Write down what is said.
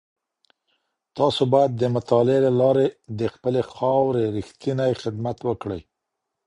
تاسو بايد د مطالعې له لاري د خپلي خاوري رښتينی خدمت وکړئ.